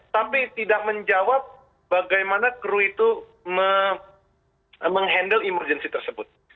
tapi tidak menjawab bagaimana kru itu menghandle emergency tersebut